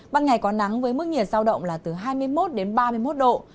ban ngày có nắng với mức nhiệt giao động là từ hai mươi một đến ba mươi một độ